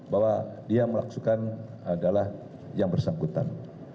bahwa dia melaksukan adalah yang bersangkutan